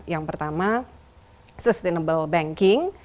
yang pertama sustainable banking